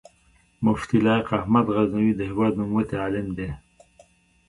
مفتي لائق احمد غزنوي د هېواد نوموتی عالم دی